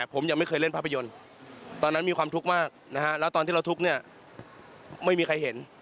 ผมยังไม่เคยเล่นภาพยนตร์ตอนนั้นมีความทุกข์มากนะฮะแล้วตอนที่เราทุกข์เนี่ยไม่มีใครเห็น